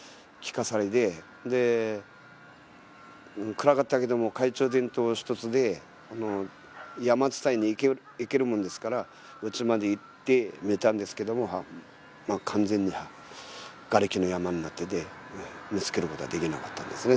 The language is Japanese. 暗かったけども懐中電灯一つで山伝いに行けるもんですから家まで行って見たんですけどもまあ完全にがれきの山になってて見つけることはできなかったんですね